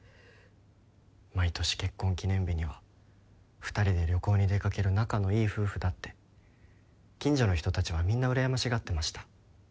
毎年結婚記念日には２人で旅行に出掛ける仲のいい夫婦だって近所の人たちはみんなうらやましがってました。